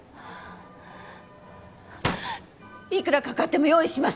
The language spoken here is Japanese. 幾らかかっても用意します！